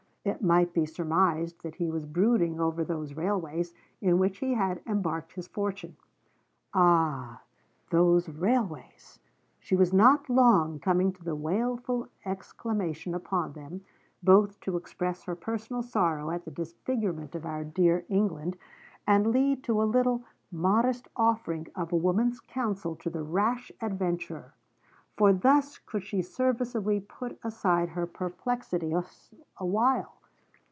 It might be surmised that he was brooding over those railways, in which he had embarked his fortune. Ah! those railways! She was not long coming to the wailful exclamation upon them, both to express her personal sorrow at the disfigurement of our dear England, and lead to a little, modest, offering of a woman's counsel to the rash adventurer; for thus could she serviceably put aside her perplexity awhile.